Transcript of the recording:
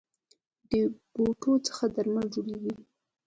د بوټو څخه درمل جوړیدل